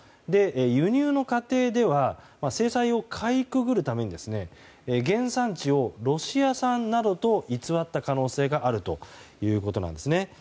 輸入の過程では制裁をかいくぐるために原産地を、ロシア産などと偽った可能性があるということなんですね。